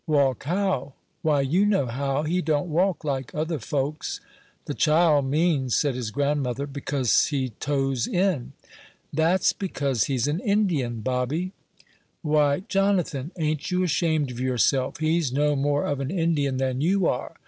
"Walk how?" "Why, you know how; he don't walk like other folks." "The child means," said his grandmother, "because he toes in." "That's because he's an Indian, Bobby." "Why, Jonathan, ain't you ashamed of yourself? he's no more of an Indian than you are.